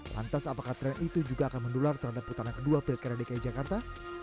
lantas apakah tren itu juga akan mendular terhadap putaran kedua pilkada dki jakarta